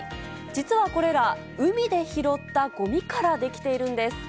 実はこれら、海で拾ったごみから出来ているんです。